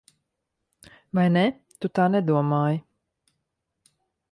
Vai ne? Tu tā nedomāji.